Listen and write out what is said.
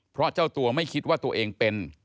เพราะเจ้าตัวไม่คิดว่าตัวเองเป็น